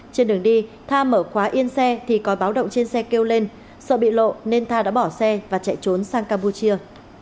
trên đường đi tha mở khóa yên xe thì có báo động trên xe kêu lên sợ bị lộ nên tha đã bỏ xe và chạy trốn sang campuchia